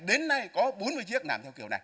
đến nay có bốn mươi chiếc làm theo kiểu này